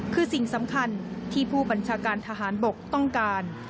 คือสิ่งสำคัญที่ผู้บัญชาการทหารบกต้องการ